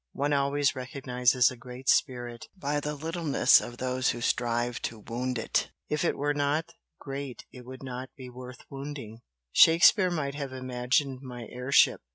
One always recognises a great spirit by the littleness of those who strive to wound it, if it were not great it would not be worth wounding!" "Shakespeare might have imagined my air ship!"